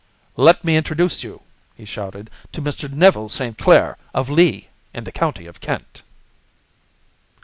"Let me introduce you," he shouted, "to Mr. Neville St. Clair, of Lee, in the county of Kent."